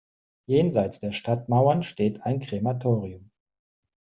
Jenseits der Stadtmauern steht ein Krematorium.